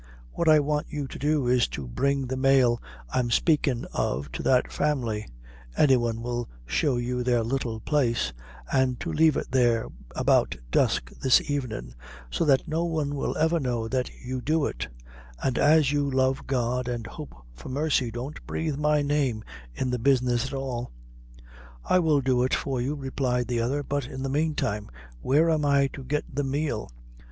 What I want you to do is to bring the male I'm spakin' of to that family; any one will show you their little place; an' to leave it there about dusk this evenin', so that no one will ever know that you do it; an' as you love God an' hope for mercy, don't breathe my name in the business at all." "I will do it for you," replied the other; "but in the meantime where am I to get the meal?"